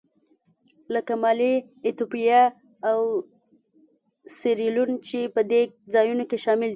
لکه مالي، ایتوپیا او سیریلیون چې په دې ځایونو کې شامل دي.